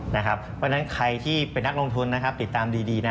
นะครับใครที่เป็นนักลงทุนติดตามดีนะ